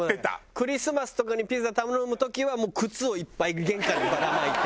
クリスマスとかにピザ頼む時はもう靴をいっぱい玄関にばらまいて。